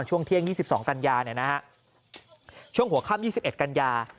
ช่วงหัวขั้ม๒๑กัลโย